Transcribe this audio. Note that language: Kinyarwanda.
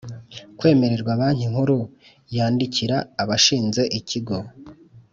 Kwemererwa banki nkuru yandikira abashinze ikigo